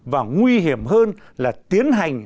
và nguy hiểm hơn là tiến hành